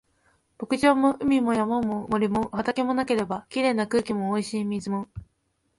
牧場も海も山も森も畑もなければ、綺麗な空気も美味しい水も